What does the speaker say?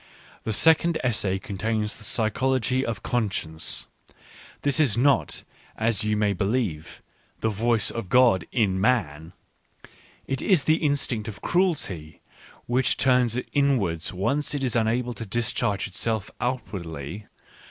The second essay contains the psy chology of conscience : this is not, as you may be lieve, " the voice of God in man "; it is the instinct of cruelty, which turns inwards once it is unable \ to discharge itself outwardly.